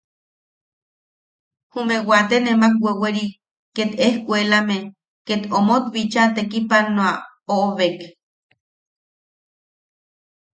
Jume waate nemak weweri ket ejkuelame ket omot bicha tekipanoa oʼobek.